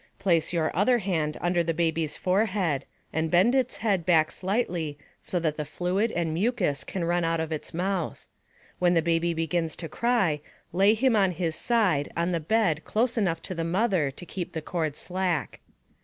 Place your other hand under the baby's forehead and bend its head back slightly so that the fluid and mucus can run out of its mouth. When the baby begins to cry, lay him on his side on the bed close enough to the mother to keep the cord slack.